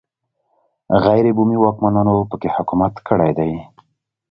غیر بومي واکمنانو په کې حکومت کړی دی.